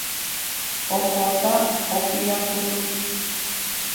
Ohóta opirakutu.